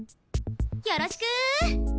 よろしく。